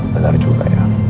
bentar juga ya